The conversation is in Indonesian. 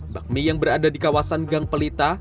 bakmi yang berada di kawasan gang pelita